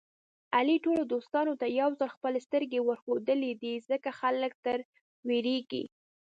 علي ټولو دوستانو ته یوځل خپلې سترګې ورښودلې دي. ځکه خلک تر وېرېږي.